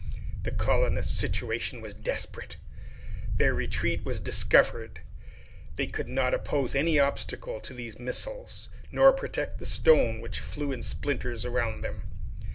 The colonists' situation was desperate. Their retreat was discovered. They could not oppose any obstacle to these missiles, nor protect the stone, which flew in splinters around them.